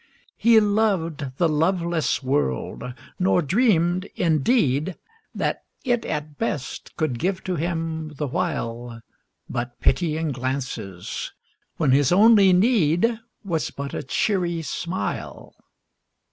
He loved the loveless world, nor dreamed, in deed. That it, at best, could give to him, the while. But pitying glances, when his only need Was but a cheery smile.